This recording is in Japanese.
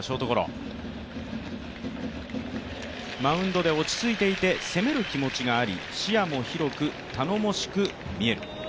マウンドで落ち着いていて、攻める気持ちがあり、視野も広く、頼もしく見える。